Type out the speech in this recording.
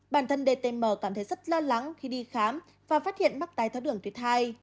bản thân dtm cảm thấy rất lo lắng khi đi khám và phát hiện mắc đai tháo đường tuyết thai